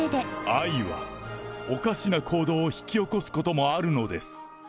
愛は、おかしな行動を引き起こすこともあるのです。